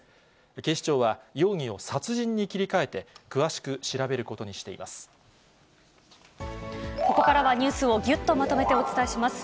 警視庁は、容疑を殺人に切り替えて、詳しく調べることにしていまここからはニュースをぎゅっとまとめてお伝えします。